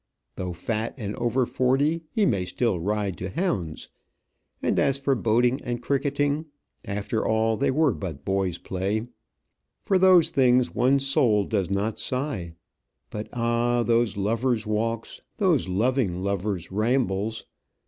Though fat and over forty he may still ride to hounds, and as for boating and cricketing, after all they were but boy's play. For those things one's soul does not sigh. But, ah! those lovers' walks, those loving lovers' rambles.